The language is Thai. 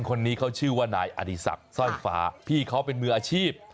คนนี้เขาชื่อว่านายอดีศักดิ์สร้อยฟ้าพี่เขาเป็นมืออาชีพ